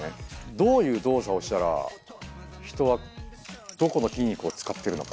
どういう動作をしたら人はどこの筋肉を使っているのか。